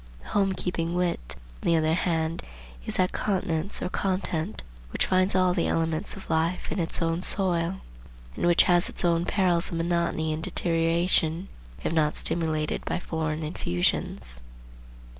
The home keeping wit, on the other hand, is that continence or content which finds all the elements of life in its own soil; and which has its own perils of monotony and deterioration, if not stimulated by foreign infusions.